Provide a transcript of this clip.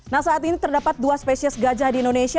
nah saat ini terdapat dua spesies gajah di indonesia